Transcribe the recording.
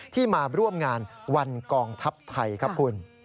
ที่มาร่วมงานวันกองทัพไทยครับคุณ